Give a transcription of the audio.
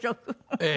ええ。